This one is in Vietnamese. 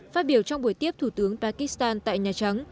phát biểu trong buổi tiếp thủ tướng pakistan tại nhà trắng